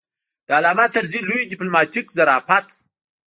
د علامه طرزي لوی ډیپلوماتیک ظرافت و.